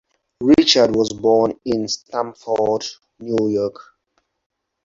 Richards was born in Stamford, New York.